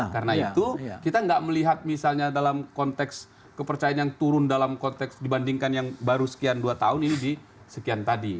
karena itu kita nggak melihat misalnya dalam konteks kepercayaan yang turun dalam konteks dibandingkan yang baru sekian dua tahun ini di sekian tadi